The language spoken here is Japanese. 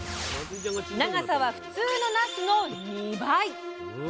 長さは普通のなすの２倍！